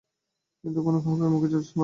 কিন্তু কোনো খাবারই মুখে রুচল না।